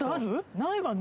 ないわね？